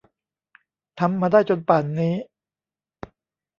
ทำมาได้จนป่านนี้